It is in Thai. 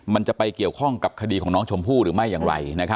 มันจะไปเกี่ยวข้องกับคดีของน้องชมพู่หรือไม่อย่างไร